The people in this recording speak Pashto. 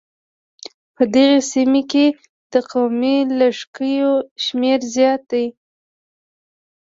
په دغې سيمې کې د قومي لږکيو شمېر زيات دی.